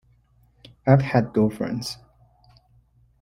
I've had girlfriends.